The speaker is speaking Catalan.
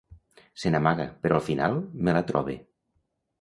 Se n'amaga, però al final me la trobe.